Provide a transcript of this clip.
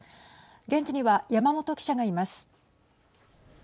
現地には山本記者がいます。